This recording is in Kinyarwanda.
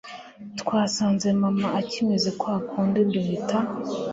twasanze mama akimeze kwa kundi duhita